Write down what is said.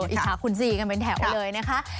อิจฉาคุณซีกันเป็นแถวเลยนะคะ